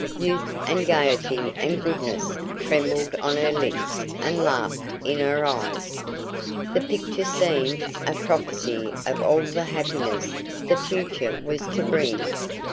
Youth and gaiety and goodness trembled on her lips and laughed in her eyes. The picture seemed a prophecy of all the happiness the future was to bring.